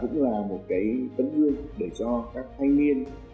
và cũng là một cái tấm thương để cho các thanh niên